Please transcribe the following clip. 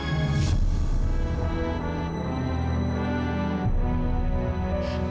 ini suratnya pak